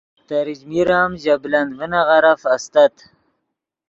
تریچمیر ام ژے بلند ڤینغیرف استت